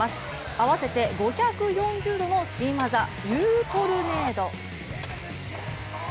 合わせて５４０度の新技ユートルネード。